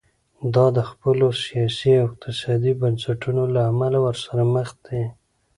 دا د خپلو سیاسي او اقتصادي بنسټونو له امله ورسره مخ دي.